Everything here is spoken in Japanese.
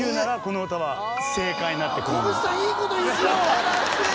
素晴らしい！